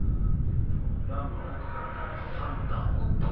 ラームは奥から第３打。